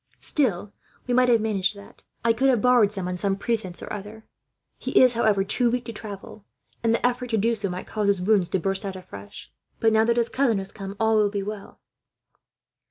Still, we might have managed that; I could have borrowed some, on some pretence or other. "'He is, however, too weak to travel, and the effort to do so might cause his wounds to burst out afresh; but now that his cousin has come, all will be well.'